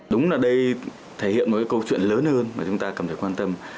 đúng là đây thể hiện một câu chuyện lớn hơn mà chúng ta cần phải quan tâm